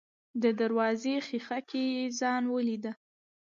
د دروازې ښيښه کې يې ځان وليد.